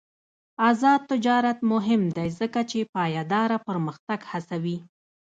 آزاد تجارت مهم دی ځکه چې پایداره پرمختګ هڅوي.